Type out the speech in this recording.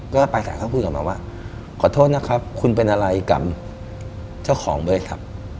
ก็ไปสระเข้าคุยกับมาว่าขอโทษนะครับคุณเป็นอะไรกับเจ้าของโทรศัพท์